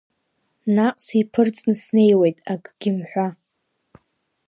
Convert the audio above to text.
Наҟ сиԥырҵны снеиуеит, акгьы мҳәа.